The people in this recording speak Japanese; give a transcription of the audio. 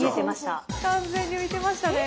完全に浮いてましたね。